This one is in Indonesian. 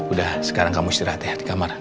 udah sekarang kamu istirahat di kamar